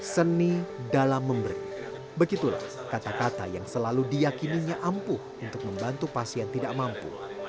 seni dalam memberi begitulah kata kata yang selalu diakininya ampuh untuk membantu pasien tidak mampu